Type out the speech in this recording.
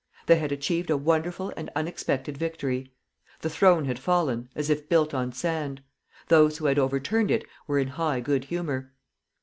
They had achieved a wonderful and unexpected victory. The throne had fallen, as if built on sand. Those who had overturned it were in high good humor.